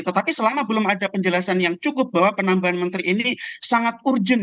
tetapi selama belum ada penjelasan yang cukup bahwa penambahan menteri ini sangat urgent